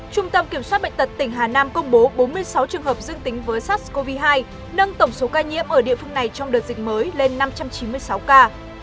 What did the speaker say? trung tâm kiểm soát bệnh tật tỉnh hà nam công bố bốn mươi sáu trường hợp dương tính với sars cov hai nâng tổng số ca nhiễm ở địa phương này trong đợt dịch mới lên năm trăm chín mươi sáu ca